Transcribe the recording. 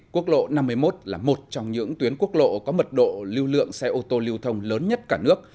quốc lộ năm mươi một là một trong những tuyến quốc lộ có mật độ lưu lượng xe ô tô lưu thông lớn nhất cả nước